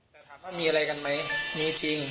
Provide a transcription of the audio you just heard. แต่ถามว่ามีอะไรกันไหมมีจริง